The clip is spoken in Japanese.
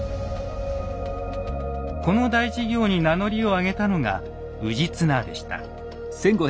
この大事業に名乗りを上げたのが氏綱でした。